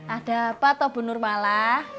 ada apa tuh bunur mala